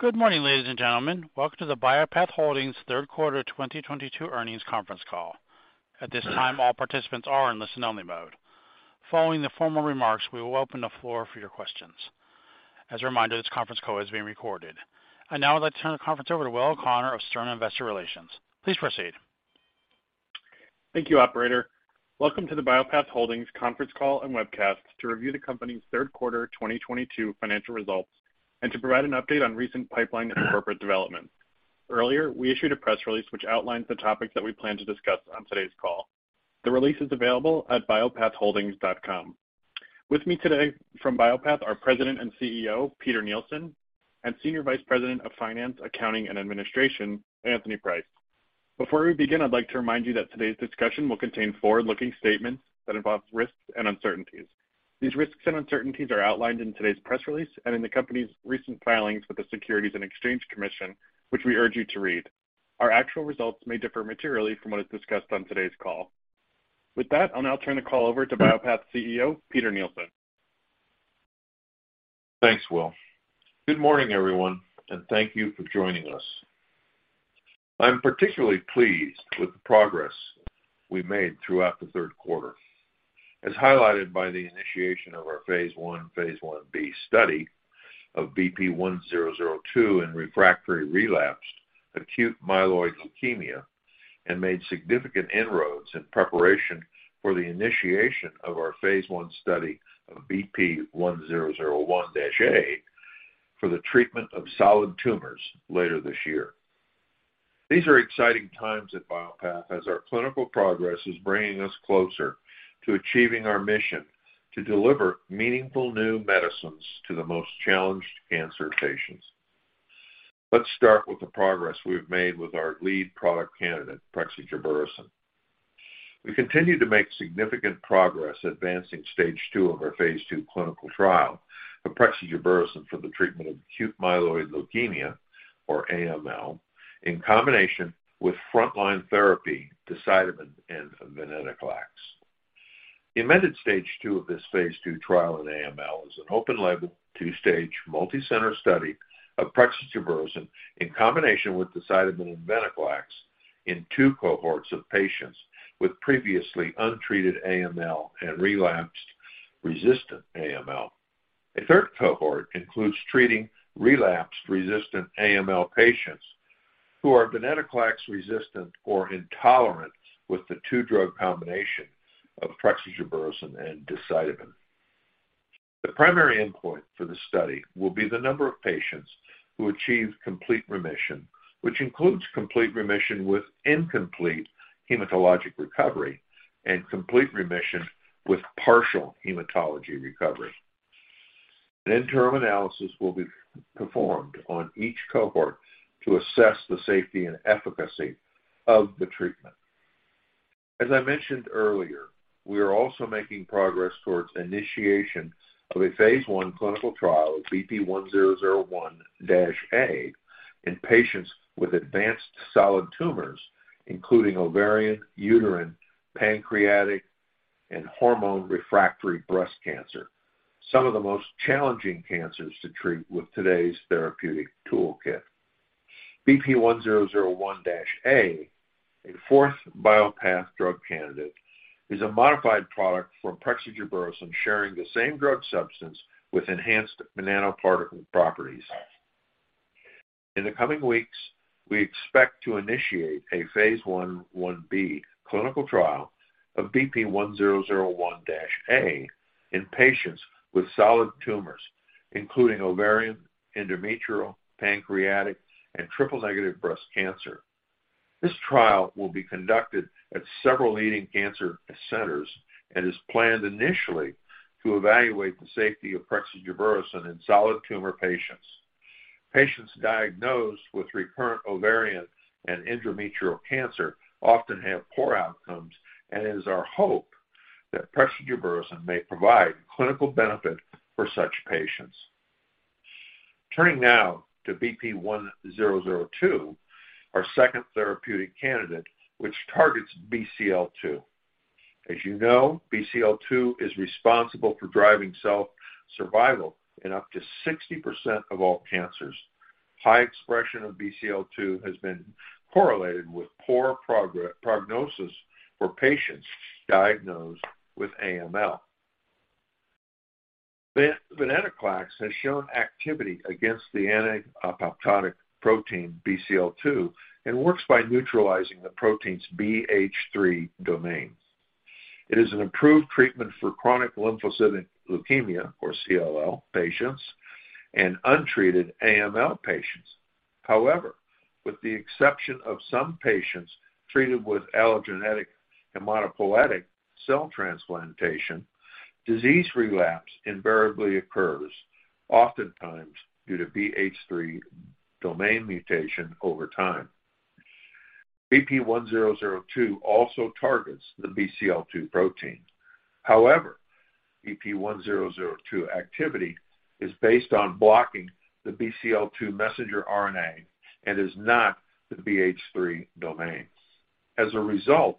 Good morning, ladies and gentlemen. Welcome to the Bio-Path Holdings Third Quarter 2022 Earnings Conference Call. At this time, all participants are in listen only mode. Following the formal remarks, we will open the floor for your questions. As a reminder, this conference call is being recorded. I'd now like to turn the conference over to Will O'Connor of Stern Investor Relations. Please proceed. Thank you, operator. Welcome to the Bio-Path Holdings conference call and webcast to review the company's third quarter 2022 financial results and to provide an update on recent pipeline and corporate developments. Earlier, we issued a press release which outlines the topics that we plan to discuss on today's call. The release is available at biopathholdings.com. With me today from Bio-Path are President and CEO Peter Nielsen and Senior Vice President of Finance, Accounting, and Administration Anthony Price. Before we begin, I'd like to remind you that today's discussion will contain forward-looking statements that involve risks and uncertainties. These risks and uncertainties are outlined in today's press release and in the company's recent filings with the Securities and Exchange Commission, which we urge you to read. Our actual results may differ materially from what is discussed on today's call. With that, I'll now turn the call over to Bio-Path's CEO, Peter Nielsen. Thanks, Will. Good morning, everyone, and thank you for joining us. I'm particularly pleased with the progress we made throughout the third quarter, as highlighted by the initiation of our phase I, phase I-B study of BP1002 in refractory relapsed acute myeloid leukemia and made significant inroads in preparation for the initiation of our phase I study of BP1001-A for the treatment of solid tumors later this year. These are exciting times at Bio-Path as our clinical progress is bringing us closer to achieving our mission to deliver meaningful new medicines to the most challenged cancer patients. Let's start with the progress we've made with our lead product candidate, prexigebersen. We continue to make significant progress advancing stage 2 of our phase II clinical trial for prexigebersen for the treatment of acute myeloid leukemia, or AML, in combination with frontline therapy decitabine and venetoclax. The amended stage 2 of this phase II trial in AML is an open label, 2-stage, multicenter study of prexigebersen in combination with decitabine and venetoclax in two cohorts of patients with previously untreated AML and relapsed resistant AML. A third cohort includes treating relapsed resistant AML patients who are venetoclax resistant or intolerant with the 2-drug combination of prexigebersen and decitabine. The primary endpoint for the study will be the number of patients who achieve complete remission, which includes complete remission with incomplete hematologic recovery and complete remission with partial hematologic recovery. An interim analysis will be performed on each cohort to assess the safety and efficacy of the treatment. As I mentioned earlier, we are also making progress towards initiation of a phase I clinical trial of BP1001-A in patients with advanced solid tumors, including ovarian, uterine, pancreatic, and hormone refractory breast cancer, some of the most challenging cancers to treat with today's therapeutic toolkit. BP1001-A, a fourth Bio-Path drug candidate, is a modified product from prexigebersen sharing the same drug substance with enhanced nanoparticle properties. In the coming weeks, we expect to initiate a phase 1/1-B clinical trial of BP1001-A in patients with solid tumors, including ovarian, endometrial, pancreatic, and triple negative breast cancer. This trial will be conducted at several leading cancer centers and is planned initially to evaluate the safety of prexigebersen in solid tumor patients. Patients diagnosed with recurrent ovarian and endometrial cancer often have poor outcomes, and it is our hope that prexigebersen may provide clinical benefit for such patients. Turning now to BP1002, our second therapeutic candidate, which targets Bcl-2. As you know, Bcl-2 is responsible for driving cell survival in up to 60% of all cancers. High expression of Bcl-2 has been correlated with poor prognosis for patients diagnosed with AML. The venetoclax has shown activity against the anti-apoptotic protein Bcl-2 and works by neutralizing the protein's BH3 domains. It is an approved treatment for chronic lymphocytic leukemia, or CLL, patients and untreated AML patients. However, with the exception of some patients treated with allogeneic hematopoietic cell transplantation, disease relapse invariably occurs, oftentimes due to BH3 domain mutation over time. BP1002 also targets the Bcl-2 protein. However, BP1002 activity is based on blocking the Bcl-2 messenger RNA and is not the BH3 domains. As a result,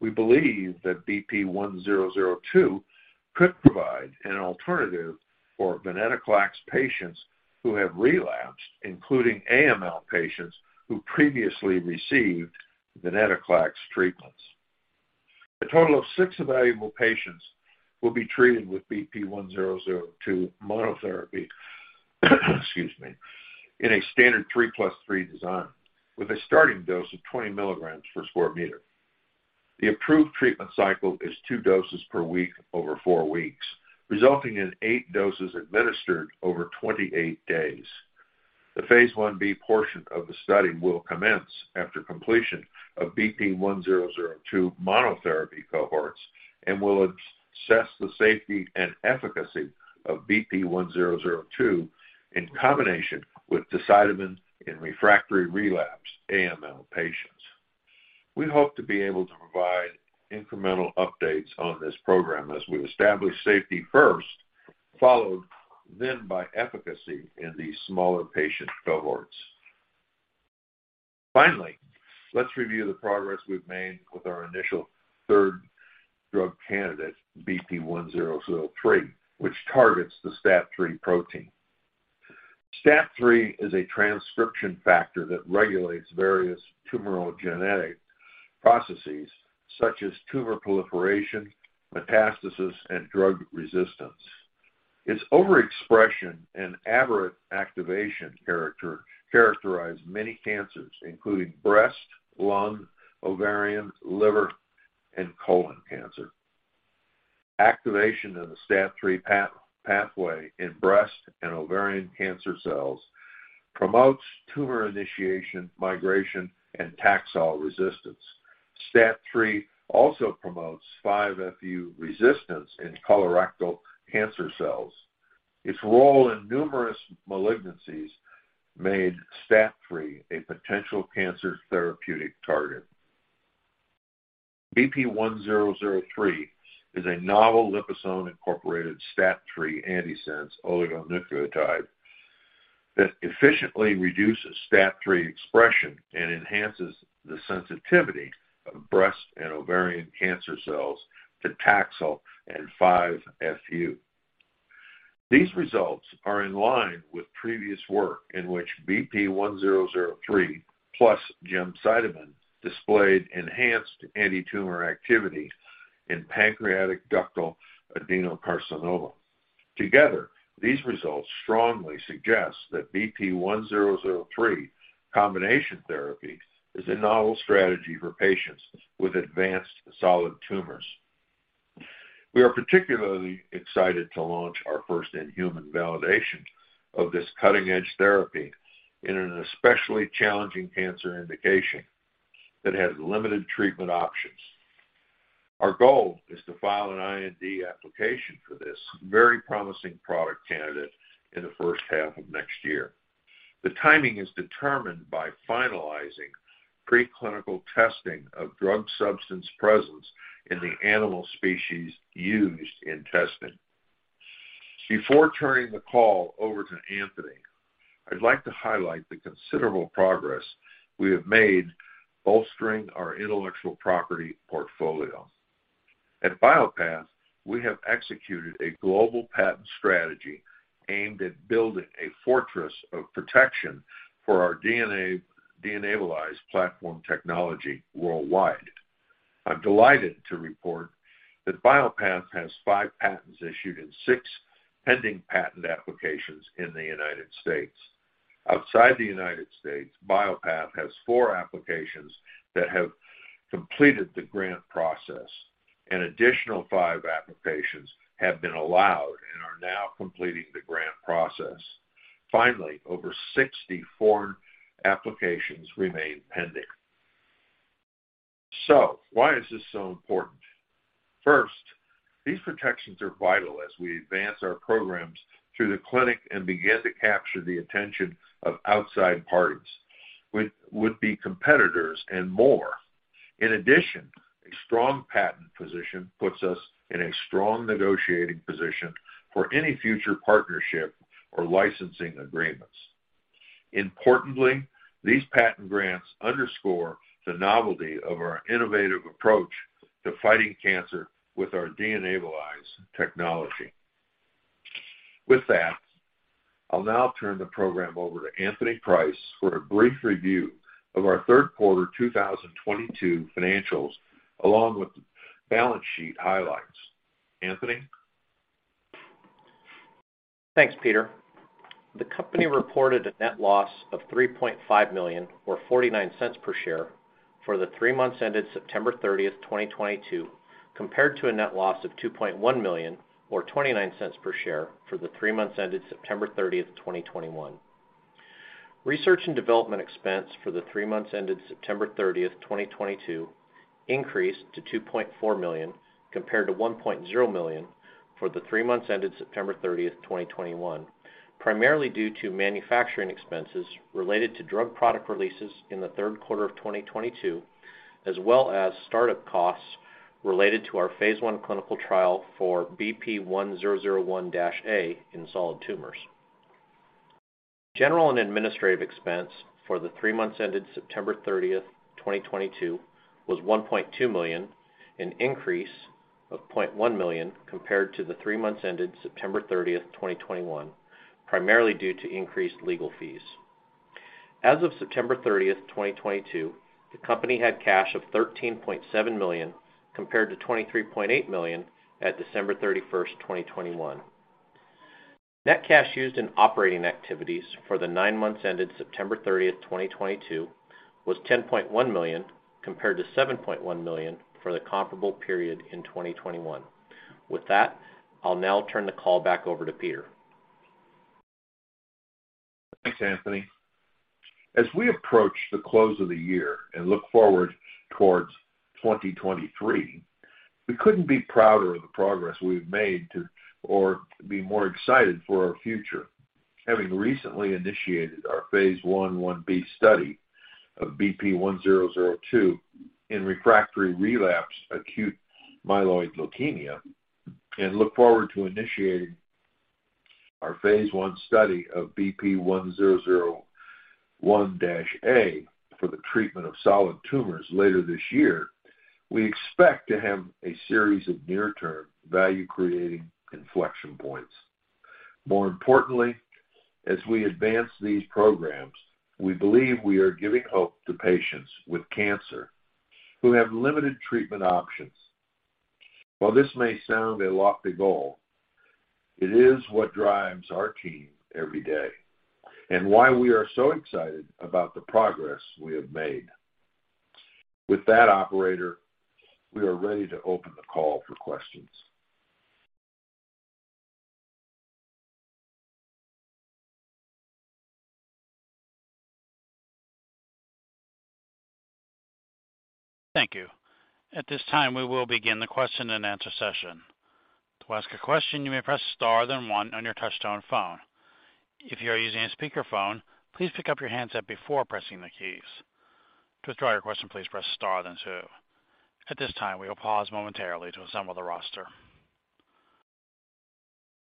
we believe that BP1002 could provide an alternative for venetoclax patients who have relapsed, including AML patients who previously received venetoclax treatments. A total of siix evaluable patients will be treated with BP1002 monotherapy, excuse me, in a standard 3 + 3 design with a starting dose of 20 milligrams per square meter. The approved treatment cycle is two doses per week over four weeks, resulting in eight doses administered over 28 days. The phase I-B portion of the study will commence after completion of BP1002 monotherapy cohorts and will assess the safety and efficacy of BP1002 in combination with decitabine in refractory relapse AML patients. We hope to be able to provide incremental updates on this program as we establish safety first, followed then by efficacy in these smaller patient cohorts. Finally, let's review the progress we've made with our initial third drug candidate, BP1003, which targets the STAT3 protein. STAT3 is a transcription factor that regulates various tumoral genetic processes such as tumor proliferation, metastasis, and drug resistance. Its overexpression and aberrant activation characterize many cancers, including breast, lung, ovarian, liver, and colon cancer. Activation of the STAT3 pathway in breast and ovarian cancer cells promotes tumor initiation, migration, and taxane resistance. STAT3 also promotes 5-FU resistance in colorectal cancer cells. Its role in numerous malignancies made STAT3 a potential cancer therapeutic target. BP1003 is a novel liposome-incorporated STAT3 antisense oligonucleotide that efficiently reduces STAT3 expression and enhances the sensitivity of breast and ovarian cancer cells to taxane and 5-FU. These results are in line with previous work in which BP-1003 plus gemcitabine displayed enhanced antitumor activity in pancreatic ductal adenocarcinoma. Together, these results strongly suggest that BP-1003 combination therapy is a novel strategy for patients with advanced solid tumors. We are particularly excited to launch our first in-human validation of this cutting-edge therapy in an especially challenging cancer indication that has limited treatment options. Our goal is to file an IND application for this very promising product candidate in the first half of next year. The timing is determined by finalizing preclinical testing of drug substance presence in the animal species used in testing. Before turning the call over to Anthony, I'd like to highlight the considerable progress we have made bolstering our intellectual property portfolio. At Bio-Path, we have executed a global patent strategy aimed at building a fortress of protection for our DNAbilize platform technology worldwide. I'm delighted to report that Bio-Path has five patents issued and six pending patent applications in the United States. Outside the United States, Bio-Path has four applications that have completed the grant process, and additional five applications have been allowed and are now completing the grant process. Finally, over 60 foreign applications remain pending. Why is this so important? First, these protections are vital as we advance our programs through the clinic and begin to capture the attention of outside parties with the competitors and more. In addition, a strong patent position puts us in a strong negotiating position for any future partnership or licensing agreements. Importantly, these patent grants underscore the novelty of our innovative approach to fighting cancer with our DNAbilize technology. With that, I'll now turn the program over to Anthony Price for a brief review of our third quarter 2022 financials, along with balance sheet highlights. Anthony? Thanks, Peter. The company reported a net loss of $3.5 million or 49 cents per share for the three months ended September 30, 2022, compared to a net loss of $2.1 million or 29 cents per share for the three months ended September 30, 2021. Research and development expense for the three months ended September 30, 2022 increased to $2.4 million compared to $1.0 million for the three months ended September 30, 2021, primarily due to manufacturing expenses related to drug product releases in the third quarter of 2022, as well as startup costs related to our phase I clinical trial for BP1001-A in solid tumors. General and administrative expense for the three months ended September 30, 2022 was $1.2 million, an increase of $0.1 million compared to the three months ended September 30, 2021, primarily due to increased legal fees. As of September 30, 2022, the company had cash of $13.7 million compared to $23.8 million at December 31, 2021. Net cash used in operating activities for the nine months ended September 30, 2022 was $10.1 million compared to $7.1 million for the comparable period in 2021. With that, I'll now turn the call back over to Peter. Thanks, Anthony. As we approach the close of the year and look forward towards 2023, we couldn't be prouder of the progress we've made or be more excited for our future. Having recently initiated our phase 1/1-b study of BP1002 in refractory relapsed acute myeloid leukemia and look forward to initiating our phase I study of BP1001-A for the treatment of solid tumors later this year, we expect to have a series of near-term value-creating inflection points. More importantly, as we advance these programs, we believe we are giving hope to patients with cancer who have limited treatment options. While this may sound a lofty goal, it is what drives our team every day and why we are so excited about the progress we have made. With that, operator, we are ready to open the call for questions. Thank you. At this time, we will begin the question-and-answer session. To ask a question, you may press star then one on your touchtone phone. If you are using a speakerphone, please pick up your handset before pressing the keys. To withdraw your question, please press star then two. At this time, we will pause momentarily to assemble the roster.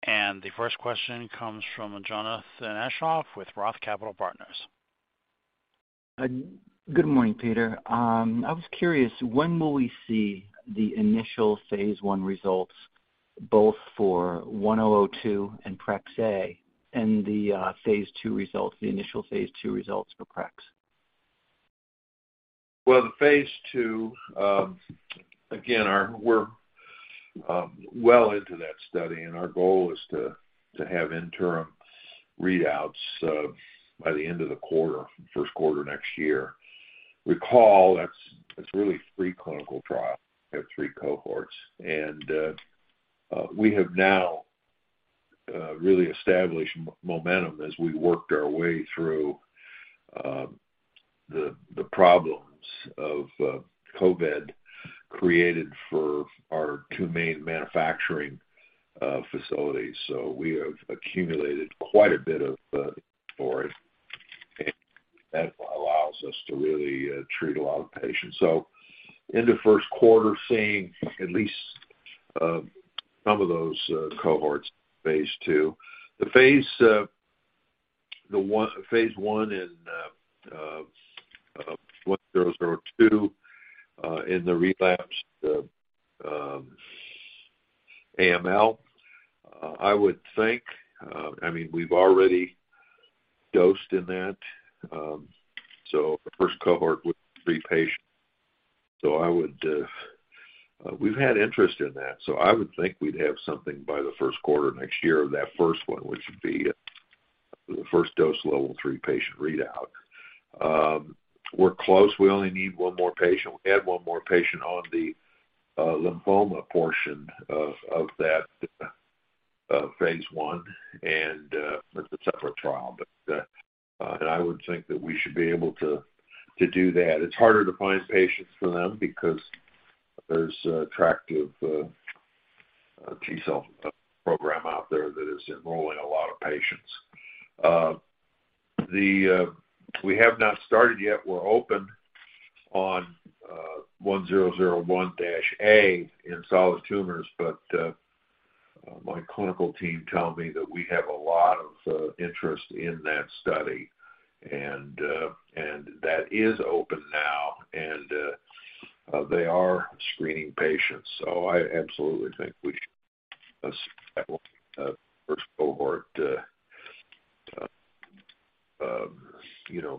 The first question comes from Jonathan Aschoff with Roth Capital Partners. Good morning, Peter. I was curious, when will we see the initial phase I results both for one zero zero two and prexigebersen-A and the phase II results, the initial phase II results for prexigebersen? The phase II, again, we're well into that study, and our goal is to have interim readouts by the end of the quarter, first quarter next year. Recall that's. It's really three clinical trials. We have three cohorts. We have now really established momentum as we worked our way through the problems of COVID created for our two main manufacturing facilities. We have accumulated quite a bit of it, and that allows us to really treat a lot of patients. In the first quarter, seeing at least some of those cohorts phase II. The phase I and BP1002 in the relapsed AML, I would think, I mean, we've already dosed in that. The first cohort with three patients. I would, we've had interest in that. I would think we'd have something by the first quarter next year of that first one, which would be the first dose level three patient readout. We're close. We only need one more patient. We add one more patient on the lymphoma portion of that phase I. That's a separate trial. I would think that we should be able to do that. It's harder to find patients for them because there's attractive T-cell program out there that is enrolling a lot of patients. We have not started yet. We're open on BP1001-A in solid tumors. My clinical team tell me that we have a lot of interest in that study. That is open now, and they are screening patients. I absolutely think we should have a successful first cohort you know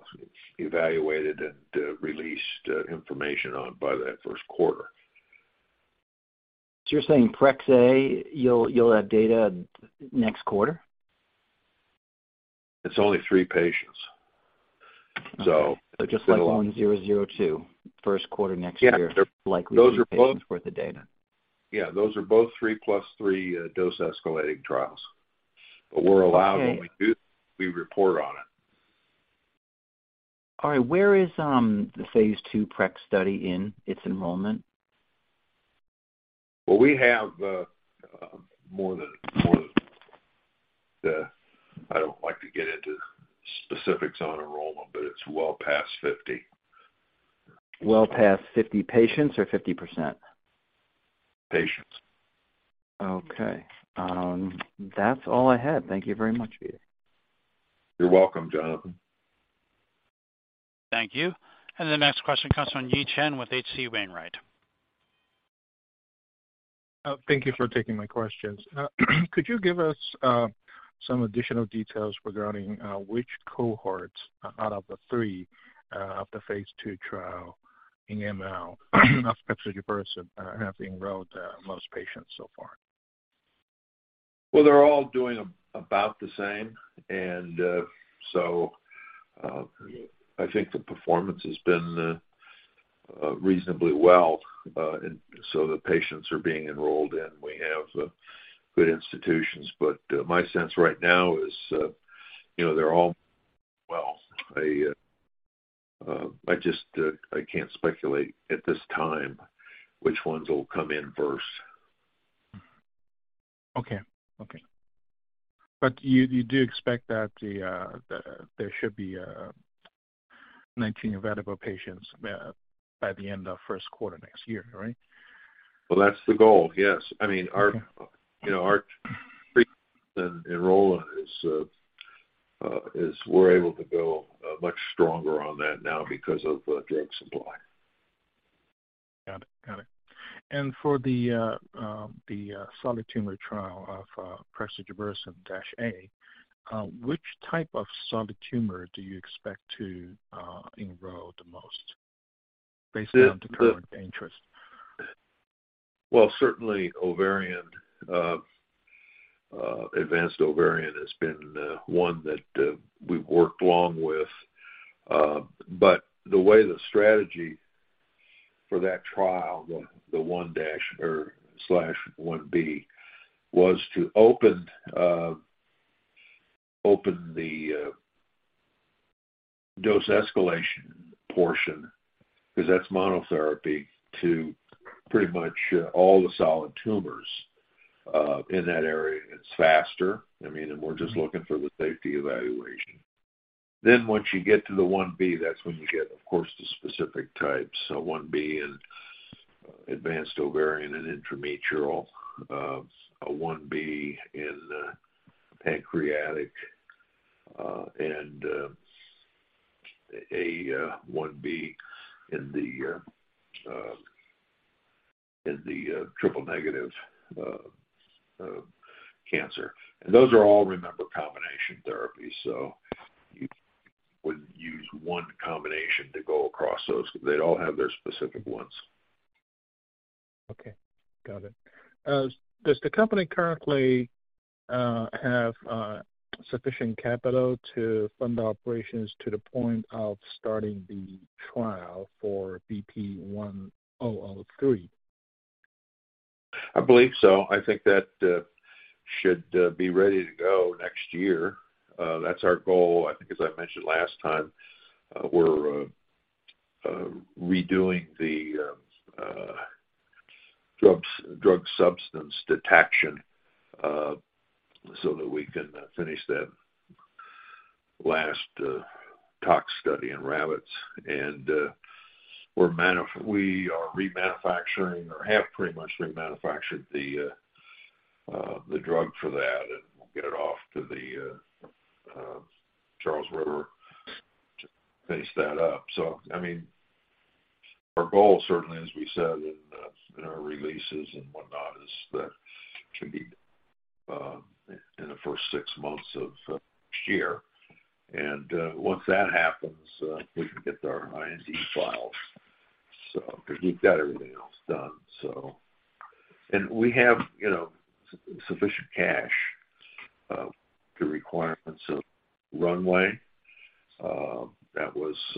evaluated and released information on by that first quarter. You're saying prexigebersen-A, you'll have data next quarter? It's only three patients. Okay. Just like 1002, first quarter next year. Yeah. likely three patients worth of data. Yeah. Those are both 3 + 3 dose-escalating trials. We're allowed when we do, we report on it. All right. Where is the phase II prexigebersen study in its enrollment? Well, we have more than I don't like to get into specifics on enrollment, but it's well past 50. Well past 50 patients or 50%? Patients. Okay. That's all I had. Thank you very much. You're welcome, Jonathan. Thank you. The next question comes from Yi Chen with H.C. Wainwright. Thank you for taking my questions. Could you give us some additional details regarding which cohorts out of the three of the phase II trial in AML of prexigebersen have enrolled the most patients so far? Well, they're all doing about the same. I think the performance has been reasonably well. The patients are being enrolled in. We have good institutions, but my sense right now is, you know, they're all well. I just can't speculate at this time which ones will come in first. Okay. You do expect that there should be 19 available patients by the end of first quarter next year, right? Well, that's the goal. Yes. I mean, our, you know, our enrollment is we're able to go much stronger on that now because of drug supply. Got it. For the solid tumor trial of BP1001-A, which type of solid tumor do you expect to enroll the most based on the current interest? Well, certainly ovarian, advanced ovarian has been, one that, we've worked long with. The way the strategy for that trial, the dash or slash 1B, was to open the dose escalation portion, 'cause that's monotherapy to pretty much all the solid tumors in that area. It's faster. I mean, we're just looking for the safety evaluation. Once you get to the 1B, that's when you get of course the specific types. 1B in advanced ovarian and intraperitoneal, a 1B in pancreatic, and a 1B in the triple negative cancer. Those are all, remember, combination therapy, so you wouldn't use one combination to go across those. They'd all have their specific ones. Okay. Got it. Does the company currently have sufficient capital to fund operations to the point of starting the trial for BP1003? I believe so. I think that should be ready to go next year. That's our goal. I think as I mentioned last time, we're redoing the drug substance detection so that we can finish that last tox study in rabbits. We are remanufacturing or have pretty much remanufactured the drug for that, and we'll get it off to the Charles River to finish that up. I mean, our goal certainly as we said in our releases and whatnot is that should be in the first six months of next year. Once that happens, we can get our IND files. 'Cause we've got everything else done. We have, you know, sufficient cash runway. That was,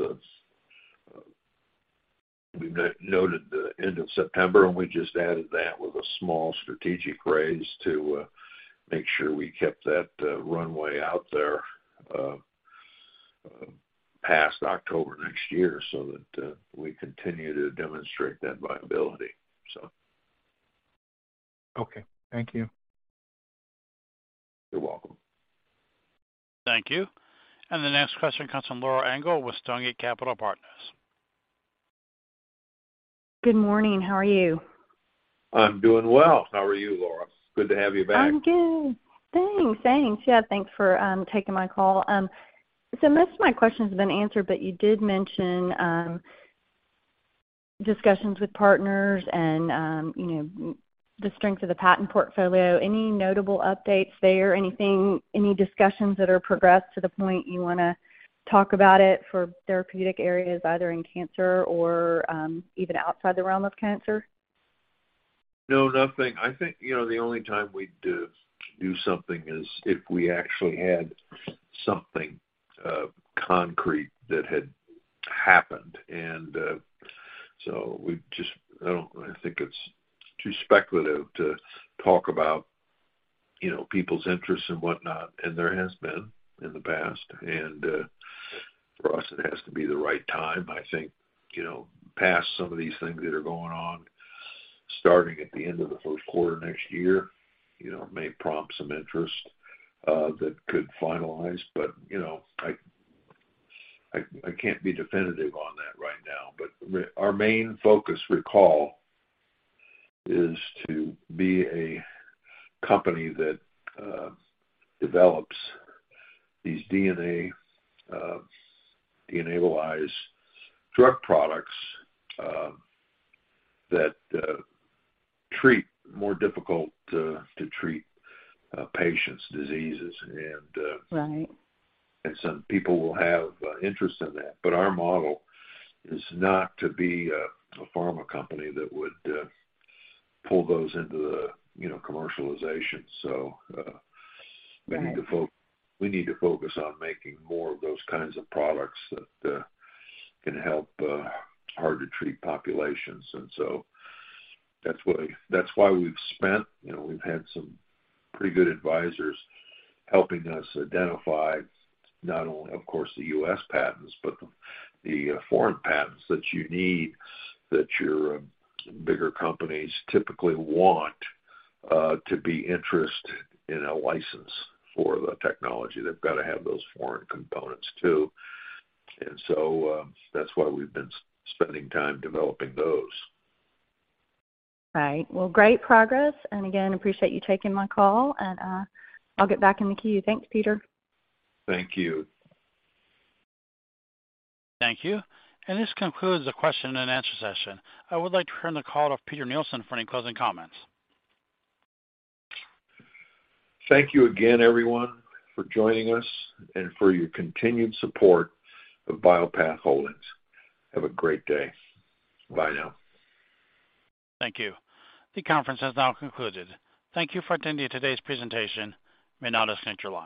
we noted the end of September, and we just added that with a small strategic raise to make sure we kept that runway out there past October next year so that we continue to demonstrate that viability. Okay. Thank you. You're welcome. Thank you. The next question comes from Laura Engel with Stonegate Capital Partners. Good morning. How are you? I'm doing well. How are you, Laura? Good to have you back. I'm good. Thanks. Yeah, thanks for taking my call. So most of my questions have been answered, but you did mention discussions with partners and you know, the strength of the patent portfolio. Any notable updates there? Anything, any discussions that are progressed to the point you wanna talk about it for therapeutic areas, either in cancer or even outside the realm of cancer? No, nothing. I think, you know, the only time we'd do something is if we actually had something concrete that had happened. So I think it's too speculative to talk about, you know, people's interests and whatnot. There has been in the past, and for us, it has to be the right time. I think, you know, past some of these things that are going on. Starting at the end of the first quarter next year, you know, it may prompt some interest that could finalize. But, you know, I can't be definitive on that right now. But our main focus, recall, is to be a company that develops these DNAbilize drug products that treat more difficult to treat patient diseases and- Right. Some people will have interest in that. Our model is not to be a pharma company that would pull those into the, you know, commercialization. Right. We need to focus on making more of those kinds of products that can help hard to treat populations. That's why we've spent. You know, we've had some pretty good advisors helping us identify not only, of course, the U.S. patents, but the foreign patents that you need, that your bigger companies typically want to be interested in a license for the technology. They've got to have those foreign components, too. That's why we've been spending time developing those. Right. Well, great progress. Again, appreciate you taking my call and, I'll get back in the queue. Thanks, Peter. Thank you. Thank you. This concludes the question and answer session. I would like to turn the call to Peter Nielsen for any closing comments. Thank you again, everyone, for joining us and for your continued support of Bio-Path Holdings. Have a great day. Bye now. Thank you. The conference has now concluded. Thank you for attending today's presentation. You may now disconnect your lines.